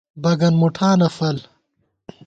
بَگن مُٹھانہ فَل